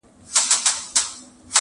د خپل يار له وينو څوك ايږدي خالونه٫